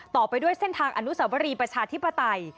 ต่อไปด้วยเส้นทางอนุสาวรีประชาธิปไตย